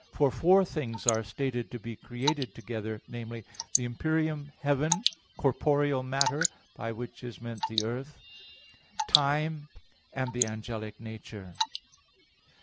For four things are stated to be created together viz. the empyrean heaven, corporeal matter, by which is meant the earth, time, and the angelic nature.